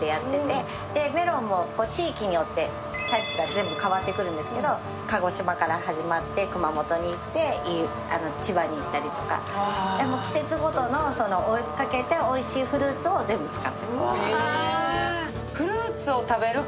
迷惑なのかなと思ったんですけど鹿児島から始まって、熊本に行って、千葉に行ったりとか、季節ごとの追いかけて、おいしいフルーツを全部使ってます。